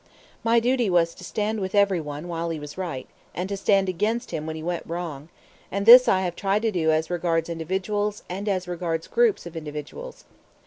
My duty was to stand with every one while he was right, and to stand against him when he went wrong; and this I have tried to do as regards individuals and as regards groups of individuals.